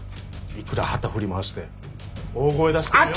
いくら旗振り回して大声出しても。